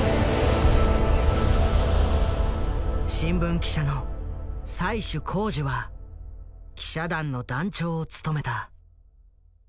新聞記者の最首公司は記者団の団長を務めた。